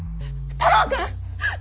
太郎君